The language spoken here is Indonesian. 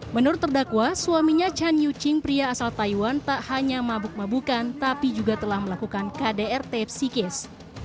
menurut terdakwa suaminya chan yu ching pria asal taiwan tak hanya mabuk mabukan tapi juga telah melakukan kdrt psikis